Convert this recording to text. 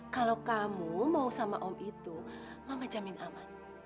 kalau kamu mau sama om itu mama jamin aman